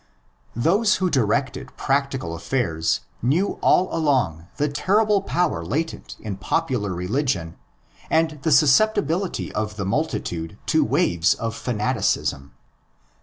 Those who directed practical affairs knew all along the terrible power latent in popular religion and the susceptibility of the multitude to waves of fanaticism.